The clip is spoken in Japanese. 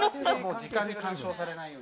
時間に干渉されないように。